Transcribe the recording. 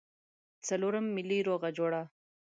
څلورم ملي روغه جوړه.